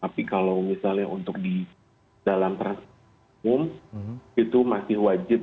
tapi kalau misalnya untuk di dalam transportasi umum itu masih wajib